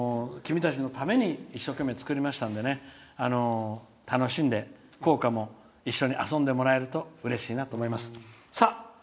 君たちのために一生懸命作りましたんで楽しんで校歌も一緒に遊んでもらえるとうれしいなと思います。